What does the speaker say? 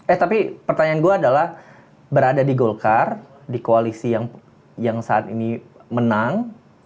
eh tapi pertanyaan gue adalah berada di golkar di koalisi yang saat ini menang